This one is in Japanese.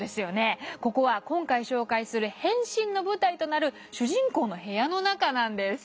ここは今回紹介する「変身」の舞台となる主人公の部屋の中なんです。